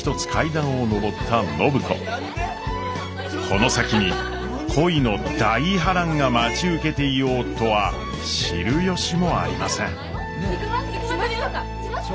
この先に恋の大波乱が待ち受けていようとは知る由もありません。